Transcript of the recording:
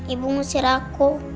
ibu ngusir aku